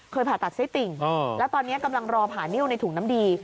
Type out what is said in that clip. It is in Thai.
ผ่าตัดไส้ติ่งแล้วตอนนี้กำลังรอผ่านิ้วในถุงน้ำดี